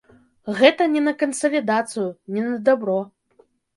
Гэта не на кансалідацыю, не на дабро!